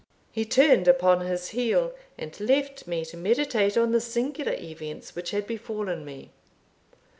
He turned upon his heel, and left me to meditate on the singular events which had befallen me.